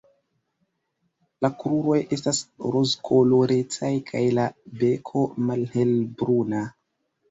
La kruroj estas rozkolorecaj kaj la beko malhelbruna.